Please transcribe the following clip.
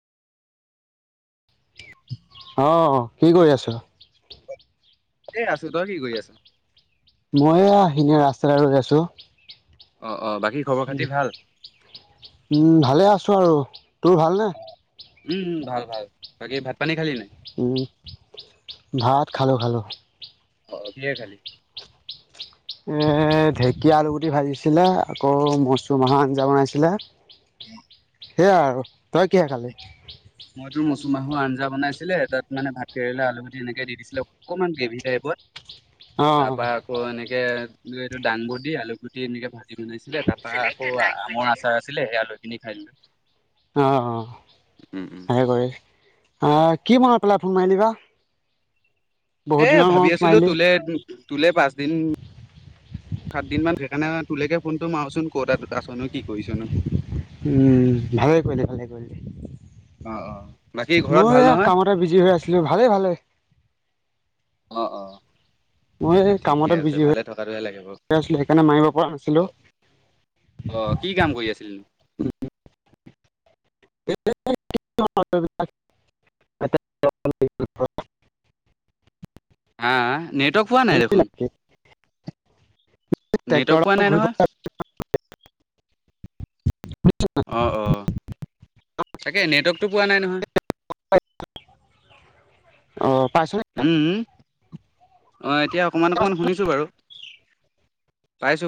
অ কি কৰি আছো এ আছো তই কি কৰি আছ মই ইনে ৰাস্তা ৰৈ আছো। অ অ বাকী খবৰ উ খাতি ভাল? উম ভালে আছো আৰু তোৰ ভালনেে উম ভাল ভাল বাকী ভাত পানী খালি নাই ভাত খালো খালো অ কিে খালি এৰ ঢেকীয়া আলু গুটি ভাজিছিলে আকৌ মচুৰমাহৰ আঞ্জা বনাইছিলে সেয়া আৰু তই কিহে খালি ুমাহৰ আঞ্জা বনাইছিলে তাত মানে ভাত কেৰেলা আলু ভটি এনেকে দি দিছিলে অকণমান গ্ৰেভি টাইপত অ', তাৰপা আকৌ এনেকে এইটো দাংবু দিি আলু গুটি এনেকে ভাল বনাইছিলে তাৰ পৰা আকৌ আমৰ আচাৰ আছিলে সেয়া লৈ পিনি খাই দিলো অ অ উম উম হে কৰে আহ কি মনত পেলাই ফোন মাৰিলিবা এ ভাবি আছিলো তোলে তোলে পাঁচদিন সাত দিন মান সেইকাৰণে তোলৈকে ফোনটো মাৰচোন ক' তাত আছন কি কৰিছ ন উম ভালে কৰিলে ভালে অ অ বাকী কৰিলে ঘৰত মই ভাল এই নহয়? কামতে বিজি হৈ আছিলো ভালেই ভালে অ অ মই কাম ঠিকে তাত আছে বিজি হৈ ভালে থকাটোহে লাগে বাৰু। আছিলো সেইকাৰণে মাৰিব পৰা নাছিলো আহ কি কাম কৰি আছিল [unintelligible] হা নেটৱৰ্ক পোৱা নাই দেখোন। নেটৱৰ্ক ্ৰেক্টৰ পোৱা নাই ঘূৰি নহয় অ অ তাকে নেটৱৰ্কতটো পোৱা নাই নহয় হয় অ পাইছ উম অ এতিয়া অকমান অকমান শুনিছো বাৰু পাইছো